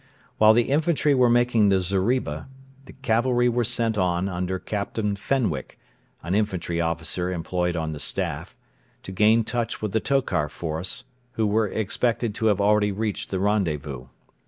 While the infantry were making the zeriba, the cavalry were sent on under Captain Fenwick (an infantry officer employed on the Staff) to gain touch with the Tokar force, who were expected to have already reached the rendezvous.